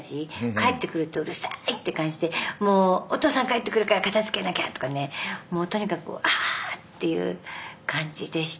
帰ってくるとうるさいって感じでもうお父さん帰ってくるから片づけなきゃとかねもうとにかくあっていう感じでした。